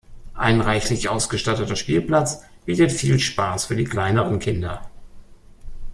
Ein reich ausgestatteter Spielplatz bietet viel Spaß für die kleineren Kinder.